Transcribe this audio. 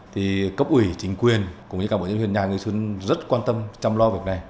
thì cấp ủy chính quyền cùng với cả bộ nhân huyền nhà nghệ xuân rất quan tâm chăm lo việc này